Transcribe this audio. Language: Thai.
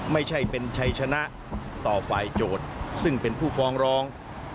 ไม่ใช่เป็นชัยชนะต่อฝ่ายโจทย์ซึ่งเป็นผู้ฟ้องร้อง